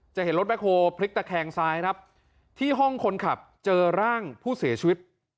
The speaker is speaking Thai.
เห็นรถแคคโฮพลิกตะแคงซ้ายครับที่ห้องคนขับเจอร่างผู้เสียชีวิต